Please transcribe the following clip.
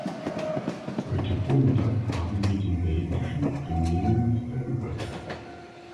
Heute Vormittag haben wir den belgischen Premierminister gehört.